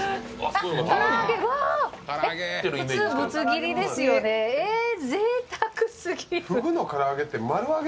普通ぶつ切りですよね、ぜいたくすぎる。